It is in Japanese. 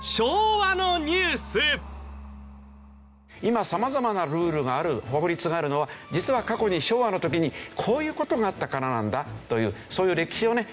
今様々なルールがある法律があるのは実は過去に昭和の時にこういう事があったからなんだというそういう歴史をね